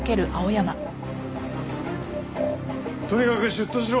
とにかく出頭しろ！